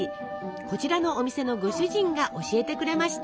こちらのお店のご主人が教えてくれました。